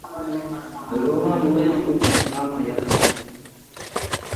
روواں موئیاں کوں ، سݨاواں یاراں کوں